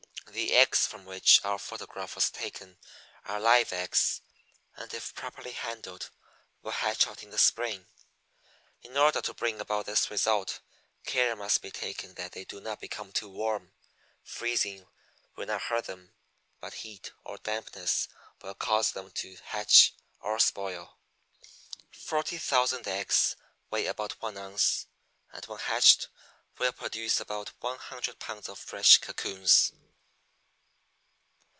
The eggs from which our photograph was taken are "live eggs," and if properly handled will hatch out in the spring. In order to bring about this result care must be taken that they do not become too warm; freezing will not hurt them, but heat or dampness will cause them to hatch or spoil. Forty thousand eggs weigh about one ounce, and when hatched will produce about one hundred pounds of fresh cocoons.